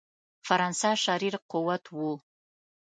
فرانسه شریر قوت وو.